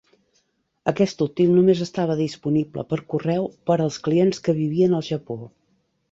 Aquest últim només estava disponible per correu per als clients que vivien al Japó.